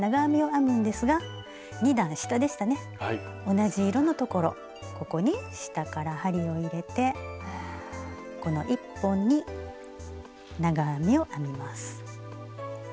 同じ色のところここに下から針を入れてこの１本に長編みを編みます。